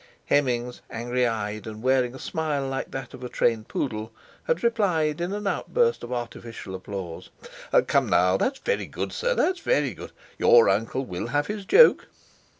Hemmings, angry eyed, and wearing a smile like that of a trained poodle, had replied in an outburst of artificial applause: "Come, now, that's good, sir—that's very good. Your uncle will have his joke!"